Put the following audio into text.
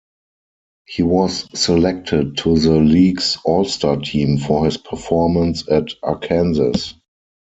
He was selected to the league's all star team for his performance at Arkansas.